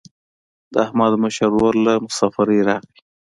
د احمد مشر ورور له مسافرۍ راغی.